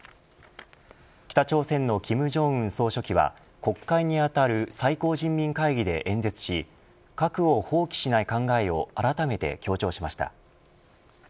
北朝鮮の金正恩総書記は国会にあたる最高人民会議で演説し核を放棄しない考えをあらためて強調しました。